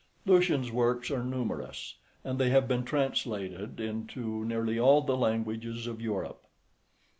Lucian's works are numerous, and they have been translated into nearly all the languages of Europe.